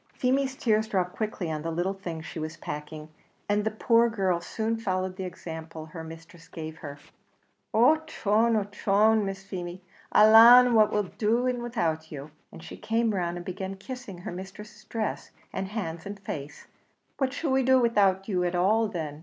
Feemy's tears dropped quickly on the little things she was packing, and the poor girl soon followed the example her mistress gave her. "Ochone! ochone! Miss Feemy, alanna, what'll we be doing widout you?" and she came round and began kissing her mistress's dress, and hands, and face, "What shall we do widout you at all then?